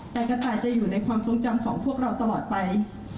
แต่กระต่ายจะอยู่ในความทรงจำของพวกเราตลอดไป